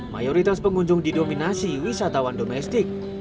mayoritas pengunjung didominasi wisatawan domestik